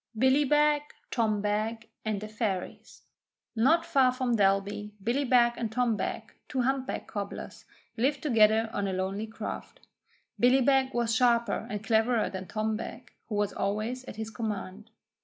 BILLY BEG, TOM BEG, AND THE FAIRIES Not far from Dalby, Billy Beg and Tom Beg, two humpback cobblers, lived together on a lonely croft. Billy Beg was sharper and cleverer than Tom Beg, who was always at his command.